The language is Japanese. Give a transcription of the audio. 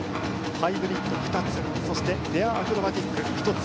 ハイブリッド２つそしてペアアクロバティック１つ